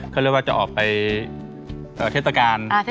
เขาเรียกว่าจะออกไปเทศกาล